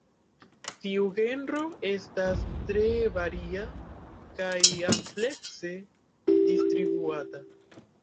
Tiu genro estas tre varia kaj amplekse distribuata.